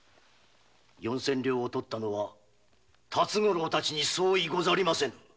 四千両を盗ったのは辰五郎たちに相違ござりませぬ。